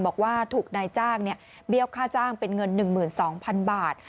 บอกว่าถูกนายจ้างเบี้ยวค่าจ้างเป็นเงิน๑๒๐๐๐บาท